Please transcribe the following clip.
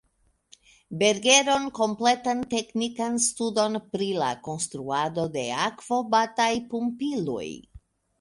Bergeron kompletan teknikan studon pri la konstruado de akvobataj pumpiloj.